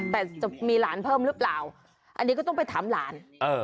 แต่จะมีหลานเพิ่มหรือเปล่าอันนี้ก็ต้องไปถามหลาน